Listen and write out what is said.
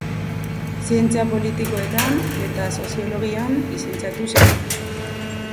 Zientzia Politikoetan eta Soziologian lizentziatu zen.